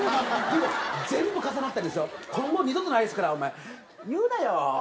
でも全部重なってですよ今度二度とないですからお前言うなよ